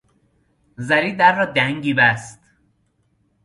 زری در را دنگی بست.